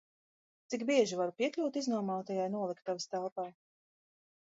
Cik bieži varu piekļūt iznomātajai noliktavas telpai?